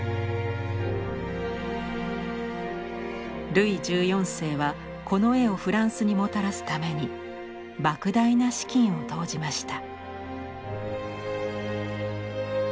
ルイ１４世はこの絵をフランスにもたらすために莫大な資金を投じました。